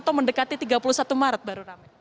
atau mendekati tiga puluh satu maret baru rame